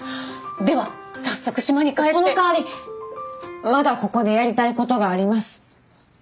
そのかわりまだここでやりたいことがあります。